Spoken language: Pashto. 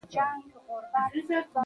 برټانوي افسران وژل شوي دي.